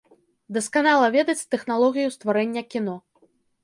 Дасканала ведаць тэхналогію стварэння кіно.